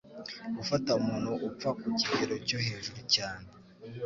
Gufata umuntu upfa ku kigero cyo hejuru cyane